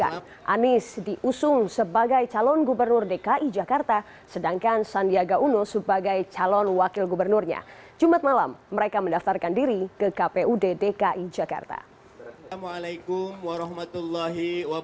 assalamualaikum warahmatullahi wabarakatuh